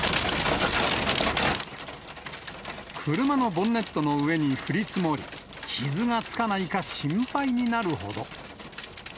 車のボンネットの上に降り積もり、傷がつかないか心配になるほど。